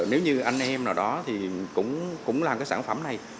nếu như anh em nào đó cũng làm cái sản phẩm này